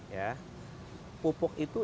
ya pupuk itu